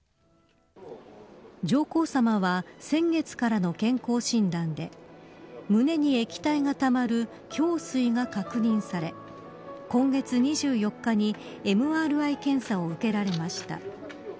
上皇さまは先月からの健康診断で胸に液体がたまる胸水が確認され今月２４日にＭＲＩ検査を受けられました。